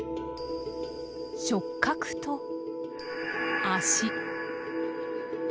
触角と脚。